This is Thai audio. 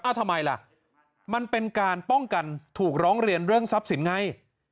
ทำไมล่ะมันเป็นการป้องกันถูกร้องเรียนเรื่องทรัพย์สินไง